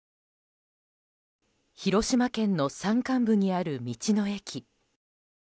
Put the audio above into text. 広島県の山間部にある道の駅。